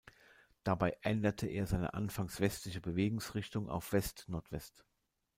Dabei änderte er seine anfangs westliche Bewegungsrichtung auf West-Nordwest.